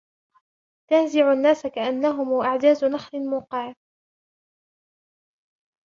تَنزِعُ النَّاسَ كَأَنَّهُمْ أَعْجَازُ نَخْلٍ مُّنقَعِرٍ